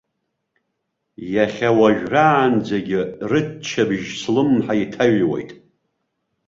Иахьа уажәраанӡагьы рыччабжь слымҳа иҭаҩуеит.